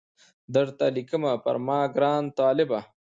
درته لیکمه پر ما ګران طالبه